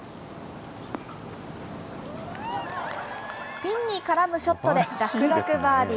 ピンに絡むショットでらくらくバーディー。